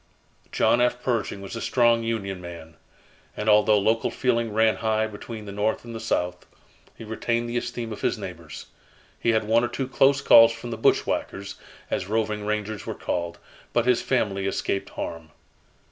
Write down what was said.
John F. Pershing was a strong Union man, and although local feeling ran high between the North and the South, he retained the esteem of his neighbors. He had one or two close calls from the "bushwhackers," as roving rangers were called, but his family escaped harm.